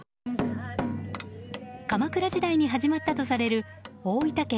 鎌倉時代に始まったとされる大分県